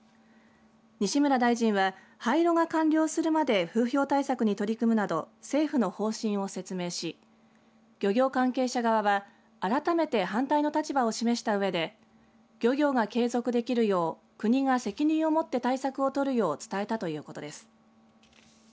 西村大臣は廃炉が完了するまで風評対策に取り組むなど政府の方針を説明し漁業関係者側は改めて反対の立場を示したうえで漁業が継続できるよう国が責任を持って対策を取るよう伝えたということです。